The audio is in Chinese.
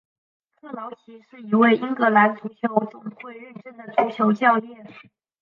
克劳奇是一位英格兰足球总会认证的足球教练。